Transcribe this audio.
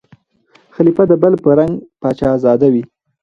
خلیفه د بل په رنګ پاچا زاده وي